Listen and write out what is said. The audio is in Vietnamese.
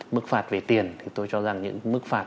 mức phạt về tiền thì tôi cho rằng những mức phạt